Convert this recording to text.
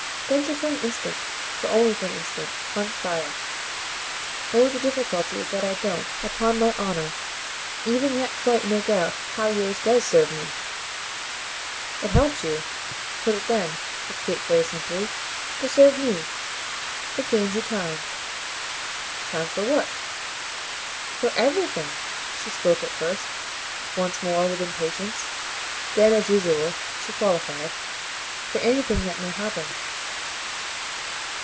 Densher for an instant, but only for an instant, hung fire. "Oh the difficulty is that I don't, upon my honour, even yet quite make out how yours does serve me." "It helps you put it then," said Kate very simply "to serve ME. It gains you time." "Time for what?" "For everything!" She spoke at first, once more, with impatience; then as usual she qualified. "For anything that may happen."